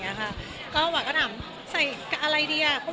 กันแล้วก็ว่าใส่อะไรนร้านครับ